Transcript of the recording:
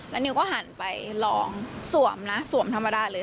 แล้วนิวก็หันไปลองสวมนะสวมธรรมดาเลย